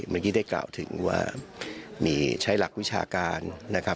เมื่อกี้ได้กล่าวถึงว่ามีใช้หลักวิชาการนะครับ